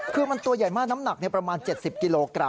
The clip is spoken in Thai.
คือมันตัวใหญ่มากน้ำหนักประมาณ๗๐กิโลกรัม